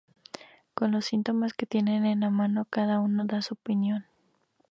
Con los síntomas que tienen en la mano, cada uno da su opinión.